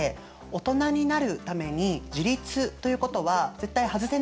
オトナになるために「自立」ということは絶対外せない条件なんですかね。